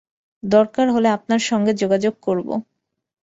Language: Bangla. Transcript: দরকার হলে আপনার সঙ্গে যোগাযোগ করব।